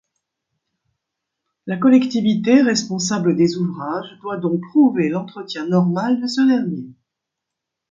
La collectivité responsable des ouvrages doit donc prouver l'entretien normal de ce dernier.